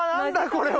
これは。